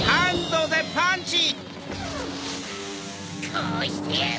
こうしてやる！